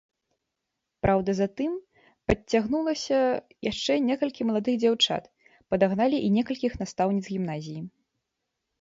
Праўда, затым падцягнулася яшчэ некалькі маладых дзяўчат, падагналі і некалькіх настаўніц гімназіі.